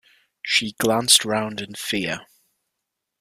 She glanced round in fear.